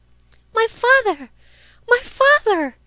"My father, my father!